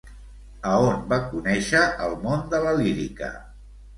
A on va conèixer el món de la lírica?